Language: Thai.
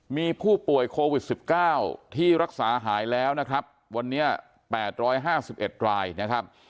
มีผู้ป่วยโควิด๑๙ที่รักษาหายแล้วนะครับวันนี้๘๕๑รายนะครับ